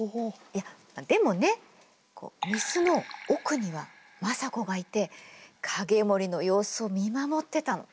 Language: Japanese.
いやでもね御簾の奥には政子がいて景盛の様子を見守ってたの。